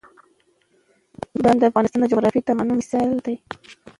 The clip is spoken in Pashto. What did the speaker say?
بامیان د افغانستان د جغرافیوي تنوع مثال دی.